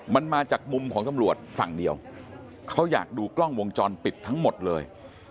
มันมาจากมุมของตำรวจฝั่งเดียวเขาอยากดูกล้องวงจรปิดทั้งหมดเลย